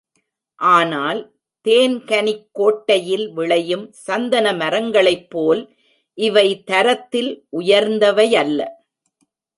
ஆனால் தேன்கனிக்கோட்டை யில் விளையும் சந்தன மரங்களைப்போல் இவை தரத்தில் உயர்ந்தவையல்ல.